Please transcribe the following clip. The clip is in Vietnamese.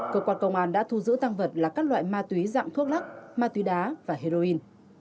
cơ quan công an đã thu giữ tăng vật là các loại ma túy dạng thuốc lắc ma túy đá và heroin